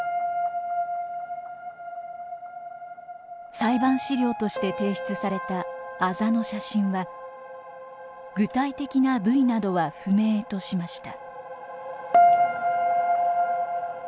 裁判資料として提出されたあざの写真は「具体的な部位などは不明」としました。